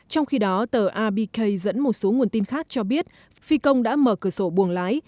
trong khi đó tờ abk dẫn một số nguồn tin khác cho biết phi công đã mở cửa sổ buồng lái